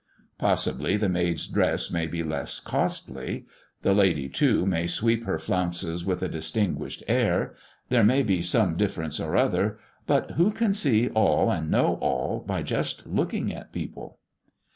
Possibly, the maid's dress may be less costly; the lady, too, may sweep her flounces with a distinguished air: there may be some difference or other, but who can see all and know all by just looking at people?